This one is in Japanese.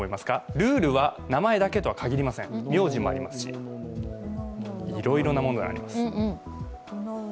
ルールは名前だけとは限りません、名字もありますし、いろいろなものがあります。